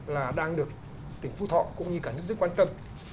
là đang được tỉnh phú thọ cũng như cả nước rất quan tâm